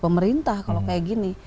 pemerintah kalau kayak gini